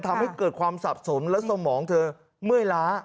ทำให้เกิดความสับสนและสมองเธอเมื่อยล้า